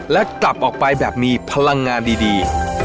และกลับออกไปแบบมีพลังงานดี